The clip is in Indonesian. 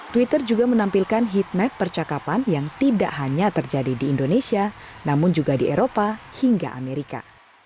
twitter juga menampilkan heat percakapan yang tidak hanya terjadi di indonesia namun juga di eropa hingga amerika